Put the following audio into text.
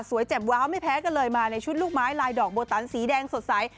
เจ็บว้าวไม่แพ้กันเลยมาในชุดลูกไม้ลายดอกโบตันสีแดงสดใส